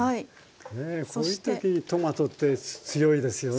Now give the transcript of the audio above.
ねえこういう時にトマトって強いですよね。